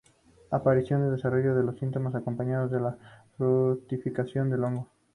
Aparición y desarrollo de los síntomas, acompañado de la fructificación del hongo.